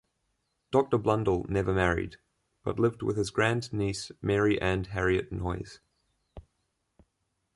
Doctor Blundell never married, but lived with his grand niece Mary Ann Harriet Noyes.